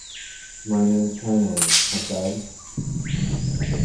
“My name’s Hannay,” I said.